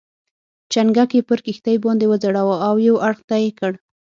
چنګک یې پر کښتۍ باندې وځړاوه او یو اړخ ته یې کړ.